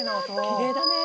きれいだね。